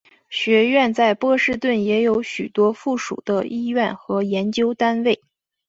学院在波士顿也有许多附属的医院和研究单位。